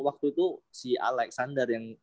waktu itu si alexander yang